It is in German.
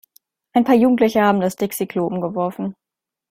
Ein paar Jugendliche haben das Dixi-Klo umgeworfen.